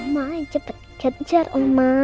ma cepet kejar ma